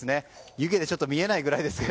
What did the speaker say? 湯気でちょっと見えないぐらいですが。